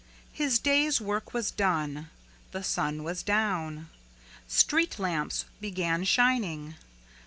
His day's work was done. The sun was down. Street lamps began shining.